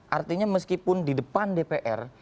artinya meskipun di depan dpr